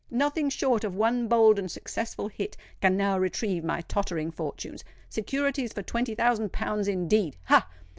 Nothing short of one bold and successful hit can now retrieve my tottering fortunes. Securities for twenty thousand pounds, indeed! Ha!